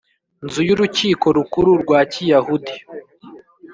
nzu y Urukiko Rukuru rwa Kiyahudi